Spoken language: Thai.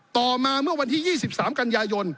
ต่อมาเมื่อวันที่๒๓กันยายน